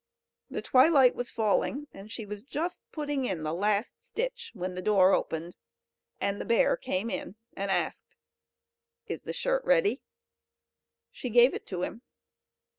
The twilight was falling, and she was just putting in the last stitch, when the door opened, and the bear came in, and asked: "Is the shirt ready?" She gave it to him.